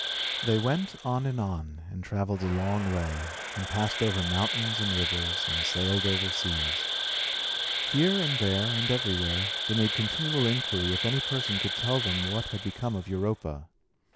They went on and on, and travelled a long way, and passed over mountains and rivers, and sailed over seas. Here, and there, and everywhere, they made continual inquiry if any person could tell them what had become of Europa.